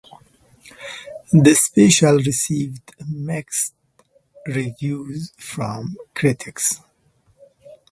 The special received mixed reviews from critics.